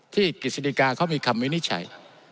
กฤษฎิกาเขามีคำวินิจฉัย